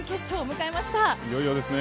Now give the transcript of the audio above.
いよいよですね。